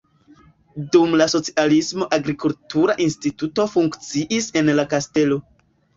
Dum la socialismo agrikultura instituto funkciis en la kastelo.